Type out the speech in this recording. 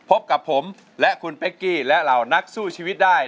พบกับผมและคุณเป๊กกี้และเหล่านักสู้ชีวิตได้